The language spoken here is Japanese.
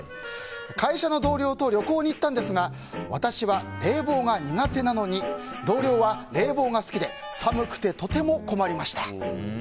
会社の同僚と旅行に行ったんですが私は冷房が苦手なのに同僚は冷房が好きで寒くてとても困りました。